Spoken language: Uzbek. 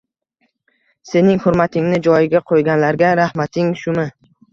Sening hurmatingni joyiga qo'yganlarga rahmating shumi